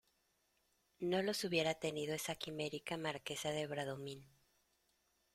no los hubiera tenido esa quimérica Marquesa de Bradomín.